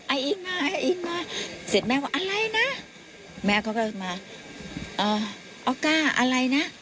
อ่าอินมาอ่าอินมาเสร็จแม่ว่าอะไรน่ะแม่เขาก็มาเอ่ออะไรน่ะ